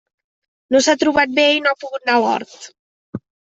No s'ha trobat bé i no ha pogut anar a l'hort.